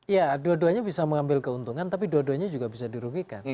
ya dua duanya bisa mengambil keuntungan tapi dua duanya juga bisa dirugikan